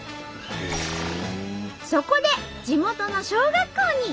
そこで地元の小学校に。